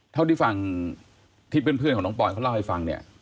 เท่าที่ฟังที่เพื่อนของน้องปอยเขาเล่าให้ฟังเนี่ย